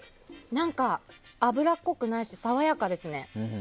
何か油っこくないし爽やかですね。